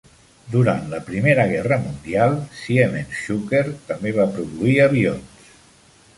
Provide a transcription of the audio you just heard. Durant la Primera Guerra Mundial Siemens-Schuckert també va produir avions.